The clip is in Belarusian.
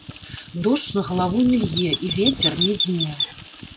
Дождж на галаву не лье і вецер не дзьме.